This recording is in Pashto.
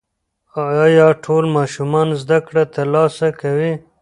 ایا ټول ماشومان زده کړه ترلاسه کوي؟